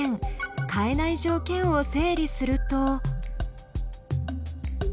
変えない条件を整理すると。